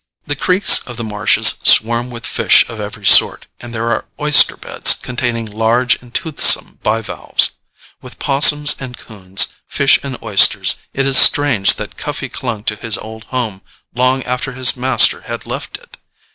The creeks of the marshes swarm with fish of every sort, and there are oyster beds containing large and toothsome bivalves. With 'possums and 'coons, fish and oysters, is it strange that Cuffie clung to his old home long after his master had left it?